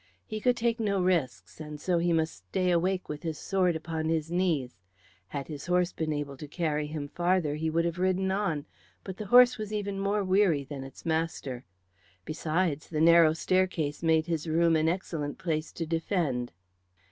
He could take no risks, and so he must stay awake with his sword upon his knees. Had his horse been able to carry him farther, he would have ridden on, but the horse was even more weary than its master. Besides, the narrow staircase made his room an excellent place to defend.